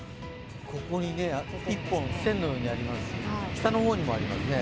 ここに１本、線のようにありますし、北の方にもありますね。